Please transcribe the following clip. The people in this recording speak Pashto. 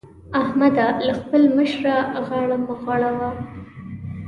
احمده! له خپل مشره غاړه مه غړوه.